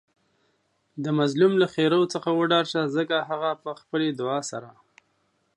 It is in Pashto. د مظلوم له ښیرا څخه وډار شئ ځکه هغه په خپلې دعاء سره